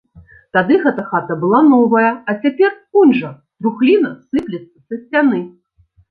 Тады гэтая хата была новая, а цяпер унь жа трухліна сыплецца са сцяны!